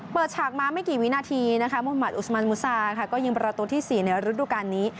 ฉากมาไม่กี่วินาทีนะคะมุมัติอุสมันมุซาค่ะก็ยิงประตูที่๔ในฤดูการนี้